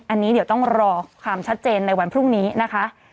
อันนี้เดี๋ยวต้องรอความชัดเจนในวันพรุ่งนี้นะคะ